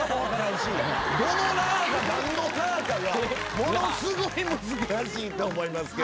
どのラか何のラかがものすごい難しいと思います。